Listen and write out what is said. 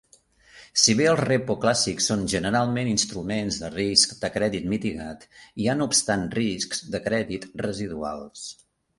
Si bé els repo clàssics són generalment instruments de risc de crèdit mitigat, hi ha no obstant riscs de crèdit residuals.